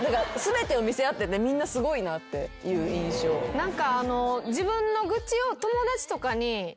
何か。